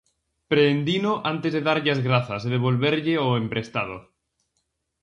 Prendino antes de darlle as grazas e devolverlle o emprestado.